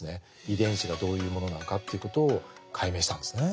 遺伝子がどういうものなのかということを解明したんですね。